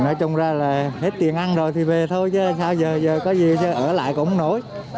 nói chung ra là hết tiền ăn rồi thì về thôi chứ sao giờ có gì ở lại cũng nổi